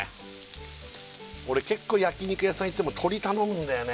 俺結構焼肉屋さん行っても鶏頼むんだよね